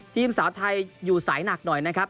สาวไทยอยู่สายหนักหน่อยนะครับ